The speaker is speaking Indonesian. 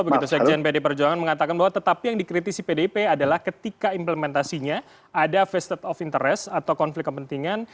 begitu sekjen pd perjuangan mengatakan bahwa tetapi yang dikritisi pdp adalah ketika implementasinya ada vested of interest atau konflik kepentingan